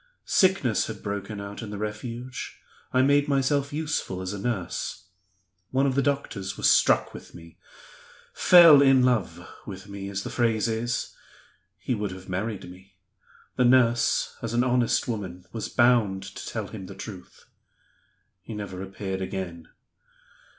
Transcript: Sickness had broken out in the Refuge; I made myself useful as a nurse. One of the doctors was struck with me 'fell in love' with me, as the phrase is. He would have married me. The nurse, as an honest woman, was bound to tell him the truth. He never appeared again.